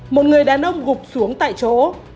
một người đàn ông gục xuống tại chỗ